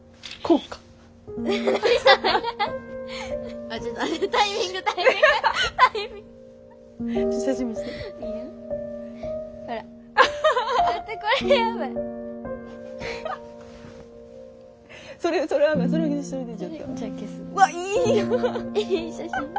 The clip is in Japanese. うわっいいやん。